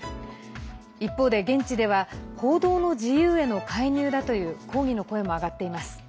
一方で現地では報道の自由への介入だという抗議の声も上がっています。